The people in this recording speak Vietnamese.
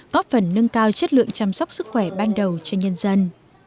góp phần nâng cao chất lượng chăm sóc sức khỏe ban đầu cho nhân dân